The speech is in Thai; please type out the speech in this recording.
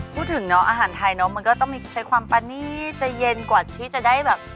พูดถึงเนาะอาหารไทยเนอะมันก็ต้องมีใช้ความปณีตจะเย็นกว่าที่จะได้แบบ